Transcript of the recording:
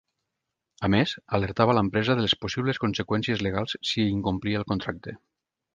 A més, alertava l’empresa de les possibles conseqüències legals si incomplia el contracte.